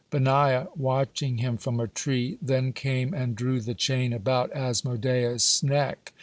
Benaiah, watching him from a tree, then came, and drew the chain about Asmodeus' neck.